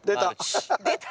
出た。